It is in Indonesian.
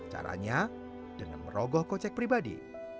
caranya dengan merogoh kocek pribadi